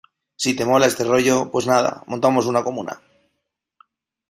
si te mola este rollo, pues nada , montamos una comuna